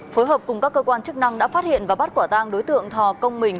phối hợp cùng các cơ quan chức năng đã phát hiện và bắt quả tang đối tượng thò công mình